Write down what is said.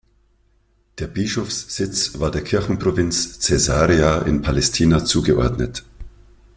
Der Bischofssitz war der Kirchenprovinz Caesarea in Palaestina zugeordnet.